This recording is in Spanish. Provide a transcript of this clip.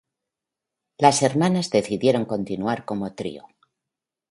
Las hermanas decidieron continuar como trío.